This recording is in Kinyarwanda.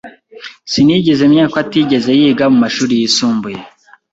Sinigeze menya ko atigeze yiga mumashuri yisumbuye.